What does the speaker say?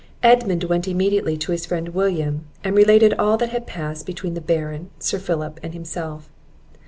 Edmund went immediately to his friend William, and related all that had passed between the Baron, Sir Philip, and himself.